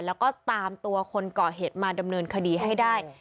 แล้วก็ตามตัวคนก่อเหตุมาดำเนินคดีให้ได้